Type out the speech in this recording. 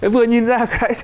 vừa nhìn ra